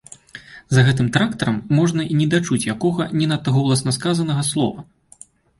За гэтым трактарам можна і не дачуць якога, не надта голасна сказанага, слова.